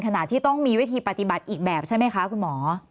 ขณะที่ต้องมีวิธีปฏิบัติอีกแบบใช่ไหมคะคุณหมอ